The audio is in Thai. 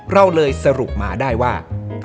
เราเลยสรุปมาได้ว่า